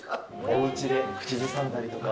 おうちで口ずさんだりとか？